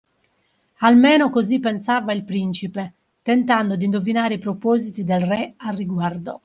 Almeno così pensava il principe, tentando di indovinare i propositi del re a riguardo.